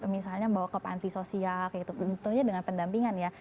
misalnya membawa kelompok anti sosial tentunya dengan pendampingan ya